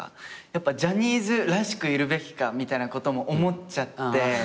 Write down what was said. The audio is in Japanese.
やっぱジャニーズらしくいるべきかみたいなことも思っちゃって。